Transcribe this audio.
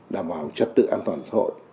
đảm bảo trật tự an toàn xã hội